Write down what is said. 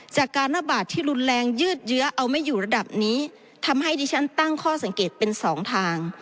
จากการระบาดที่รุนแรงยืดเยื้อเอาไม่อยู่ระดับนี้ทำให้ดิฉันตั้งข้อสังเกตเป็นสองทาง